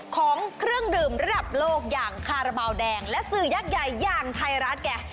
ของเครื่องดื่มระดับโลกอย่างคาราบาลแดงและสื่อยักษ์ใหญ่อย่างไทยรัฐแก